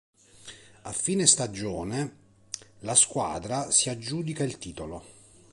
A fine stagione la squadra si aggiudica il titolo.